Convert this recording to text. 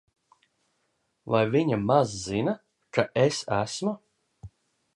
Vai viņa maz zina, ka es esmu?